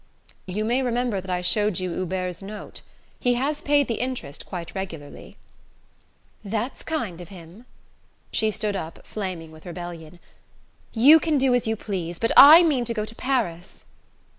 "You may remember that I showed you Hubert's note. He has paid the interest quite regularly." "That's kind of him!" She stood up, flaming with rebellion. "You can do as you please; but I mean to go to Paris."